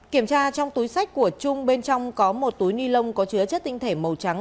kiểm tra trong túi sách của trung bên trong có một túi ni lông có chứa chất tinh thể màu trắng